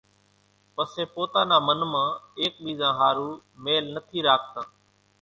پسي پوتا نا من مان ايڪ ٻيزا ۿارُو ميل نٿي راکتان